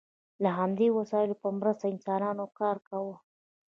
د همدې وسایلو په مرسته انسانانو کار کاوه.